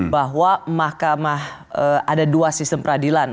bahwa mahkamah ada dua sistem peradilan